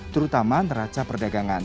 terutama neraca perdagangan